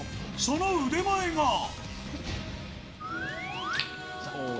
その腕前が。